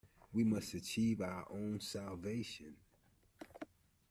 We must achieve our own salvation.